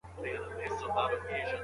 قلمي خط د ارزښتونو د پیژندلو لاره ده.